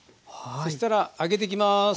そしたら揚げていきます。